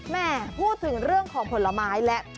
แม่พูดถึงเรื่องของผลไม้และ